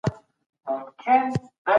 ځینې باکتریاوې د بدن بد بوی تولیدوي.